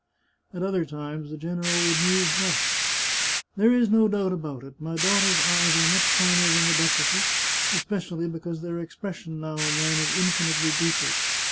At other times the general would muse thus :" There is no doubt about it, my daughter's eyes are much finer than the duchess's, especially because their expression now and then is infinitely deeper.